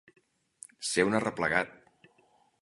Ser un arreplegat.